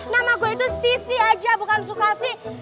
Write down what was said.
nama gue itu sissy aja bukan sukasih